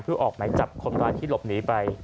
เพื่อออกหมายจับคนร้ายที่หลบหนีไป